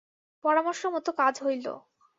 পরামর্শমতো কাজ হইল।